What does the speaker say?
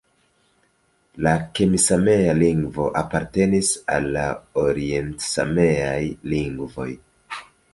La kemi-samea lingvo apartenis al la orient-sameaj lingvoj.